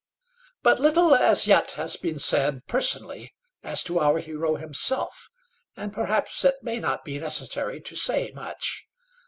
But little has as yet been said, personally, as to our hero himself, and perhaps it may not be necessary to say much.